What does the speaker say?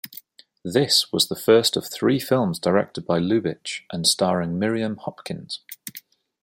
This was the first of three films directed by Lubitsch and starring Miriam Hopkins.